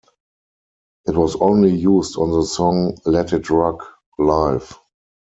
It was only used on the song 'Let It Rock' live.